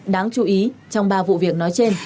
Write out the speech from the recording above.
đáng chú ý trong ba vụ việc nói trên